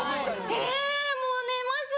えぇもう寝ます。